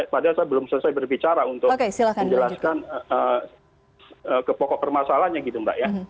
padahal saya belum selesai berbicara untuk menjelaskan ke pokok permasalahannya gitu mbak ya